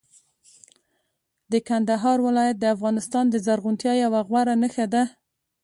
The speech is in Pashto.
د کندهار ولایت د افغانستان د زرغونتیا یوه غوره نښه ده.